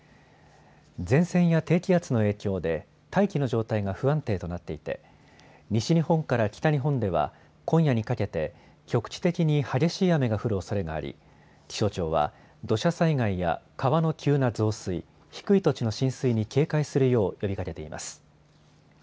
前線や低気圧の影響で大気の状態が不安定となっていて西日本から北日本では今夜にかけて局地的に激しい雨が降るおそれがあり気象庁は土砂災害や川の急な増水、低い土地の浸水に警戒するよう呼びかけています。